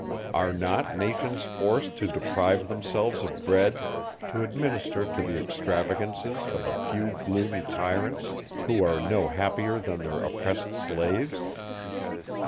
Are not nations forced to deprive themselves of bread, to administer to the extravagances of a few gloomy tyrants, who are no happier than their oppressed slaves?